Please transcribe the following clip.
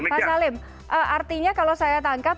pak salim artinya kalau saya tangkap